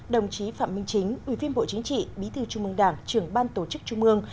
đồng chí phạm minh chính ủy viên bộ chính trị bí thư trung mương đảng trưởng ban tổ chức trung mương